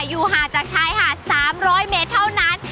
อยู่หาดจากชายหาดสามร้อยเมตรเท่านั้น